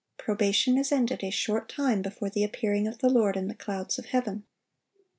Probation is ended a short time before the appearing of the Lord in the clouds of heaven.